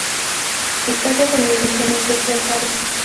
Historia de emisiones de Jeopardy!